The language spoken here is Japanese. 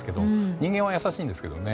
人間は優しいんですけどね。